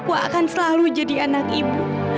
aku akan selalu jadi anak ibu